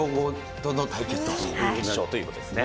決勝ということですね。